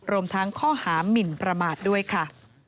รวมทั้งข้อหามินประมาทด้วยค่ะ